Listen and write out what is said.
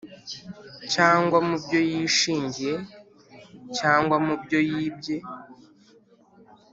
Cyangwa mu byo yishingiye cyangwa mu byo yibye